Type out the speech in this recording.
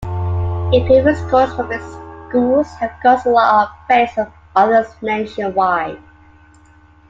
Improving scores from its schools have caused a lot of praise from others nationwide.